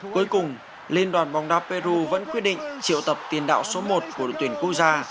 cuối cùng liên đoàn bóng đá peru vẫn quyết định triệu tập tiền đạo số một của đội tuyển quốc gia